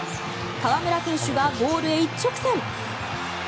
河村選手がボールへ一直線。